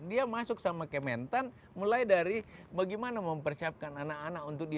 dia masuk sama kementan mulai dari bagaimana mempersiapkan anak anak untuk dia